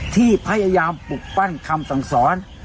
ที่พยายามปลุกปั้นคำสั่งสอน